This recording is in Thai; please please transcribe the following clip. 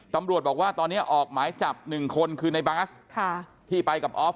ตำรวจบอกว่าตอนนี้ออกหมายจับ๑คนคือในบาสที่ไปกับออฟ